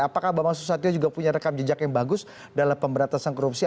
apakah bambang susatyo juga punya rekam jejak yang bagus dalam pemberantasan korupsi